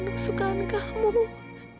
diduga saya langsung ke tempat ini